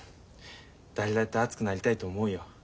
誰だって熱くなりたいと思うよ。